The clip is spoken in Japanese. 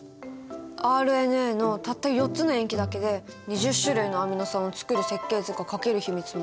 ＲＮＡのたった４つの塩基だけで２０種類のアミノ酸を作る設計図が描ける秘密もそこに隠されてるのかも！